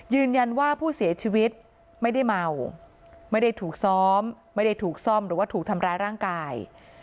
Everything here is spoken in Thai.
ยืนยันว่าผู้เสียชีวิตไม่ได้เมาไม่ได้ถูกซ้อมไม่ได้ถูกซ่อมหรือว่าถูกทำร้ายร่างกาย